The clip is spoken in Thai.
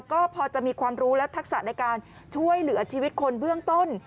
ก็พอจะมีความรู้และทักษะในการช่วยเหลือชีวิตคนเบื้องต้น